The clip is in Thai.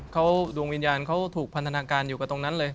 เขาดวงวิญญาณเขาถูกพันธนาการอยู่กับตรงนั้นเลย